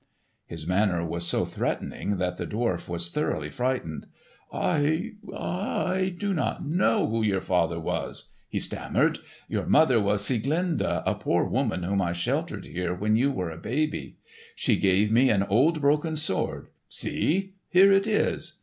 His manner was so threatening that the dwarf was thoroughly frightened. "I—I—do not know who your father was," he stammered; "your mother was Sieglinde, a poor woman whom I sheltered here when you were a baby. She gave me an old broken sword. See, here it is!"